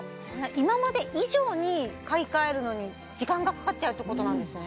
今まで以上に買い替えるのに時間がかかっちゃうってことなんですね